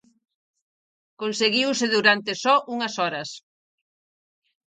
Conseguiuse durante só unhas horas.